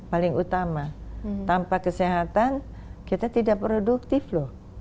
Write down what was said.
paling utama tanpa kesehatan kita tidak produktif loh